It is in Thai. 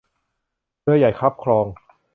เรือใหญ่คับคลอง